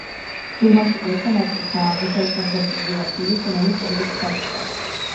გეგმაში ეკლესია მართკუთხაა, აღმოსავლეთით ნახევარწრიული აფსიდით, რომელიც კონქით მთავრდება.